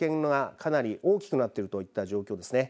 かなり大きくなっているといった状況ですね。